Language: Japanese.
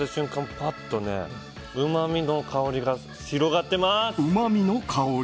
パッとうまみの香りが広がってます！